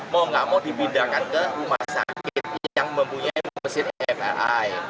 mau nggak mau dipindahkan ke rumah sakit yang mempunyai mesin mri